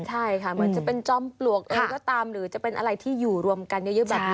ใช่ค่ะเหมือนจะเป็นจอมปลวกอะไรก็ตามหรือจะเป็นอะไรที่อยู่รวมกันเยอะแบบนี้